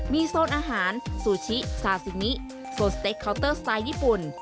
มีโซนอาหารซูชิซาซิมิโซนสเต็กเคาน์เตอร์สไตล์ญี่ปุ่น